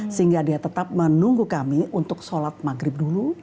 sehingga dia tetap menunggu kami untuk sholat maghrib dulu